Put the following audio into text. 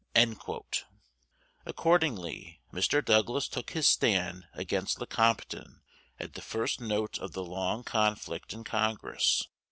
Accordingly, Mr. Douglas took his stand against Lecompton at the first note of the long conflict in Congress.